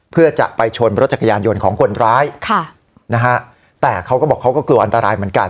เพื่อจะไปชนรถจักรยานยนต์ของคนร้ายค่ะนะฮะแต่เขาก็บอกเขาก็กลัวอันตรายเหมือนกัน